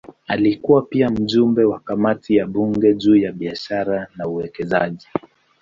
Alikuwa pia mjumbe wa kamati ya bunge juu ya biashara na uwekezaji.